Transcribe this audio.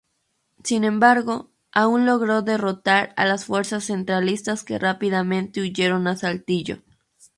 Sin embargo, aún logró derrotar a las fuerzas centralistas que rápidamente huyeron a Saltillo.